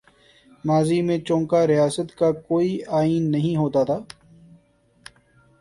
ماضی میں چونکہ ریاست کا کوئی آئین نہیں ہوتا تھا۔